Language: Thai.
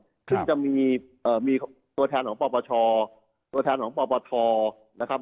ซึ่งจะมีตัวแทนของปปชตัวแทนของปปทนะครับ